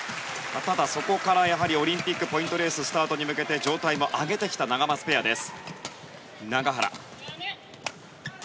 ただ、そこからオリンピックポイントレーススタートに向けて状態も上げてきたナガマツペアです。